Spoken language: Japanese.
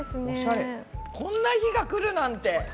こんな日が来るなんて。